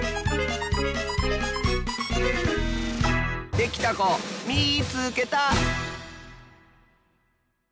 できたこみいつけた！